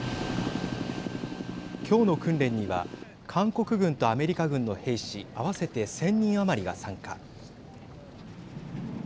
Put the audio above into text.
今日の訓練には韓国軍とアメリカ軍の兵士合わせて１０００人余りが参加。